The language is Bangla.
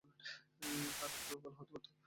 আরেকটু ভালো হতে পারত।